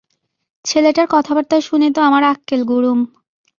ছেলেটার কথাবার্তা শুনে তাে আমার আক্কেল গুড়ুম!